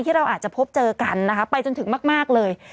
เราอาจจะพบเจอกันนะคะไปจนถึงมากเลย